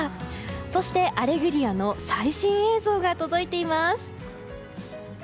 そして、「アレグリア」の最新映像が届いています。